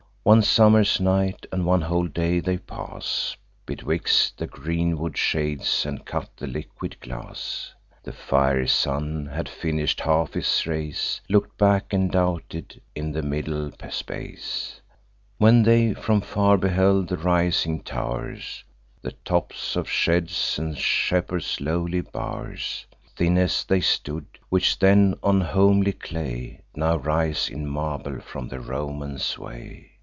One summer's night and one whole day they pass Betwixt the greenwood shades, and cut the liquid glass. The fiery sun had finish'd half his race, Look'd back, and doubted in the middle space, When they from far beheld the rising tow'rs, The tops of sheds, and shepherds' lowly bow'rs, Thin as they stood, which, then of homely clay, Now rise in marble, from the Roman sway.